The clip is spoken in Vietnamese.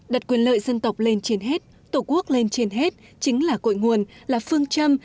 đặt quyền lợi dân tộc lên trên hết tổ quốc lên trên hết chính là cội nguồn là phương châm